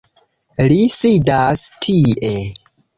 Li sidas tie